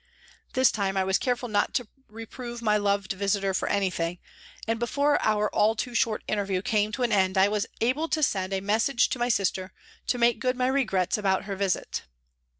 This time I was careful not to reprove my loved visitor for anything, and before our all too short interview came to an " A TRACK TO THE WATER'S EDGE " 153 end I was able to send a message to my sister to make good my regrets about her visit.